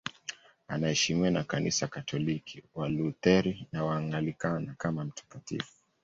Anaheshimiwa na Kanisa Katoliki, Walutheri na Waanglikana kama mtakatifu.